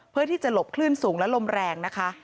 เพื่อที่จะหลบคลื่นสูงและลมแรงนะคะ